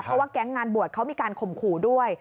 เพราะว่าแก๊งงานบวชเขามีการข่มขู่ด้วย